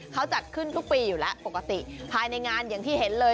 เขาจัดขึ้นทุกปีอยู่แล้วปกติภายในงานอย่างที่เห็นเลย